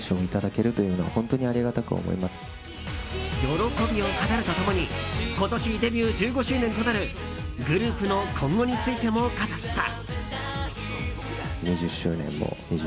喜びを語ると共に今年デビュー１５周年となるグループの今後についても語った。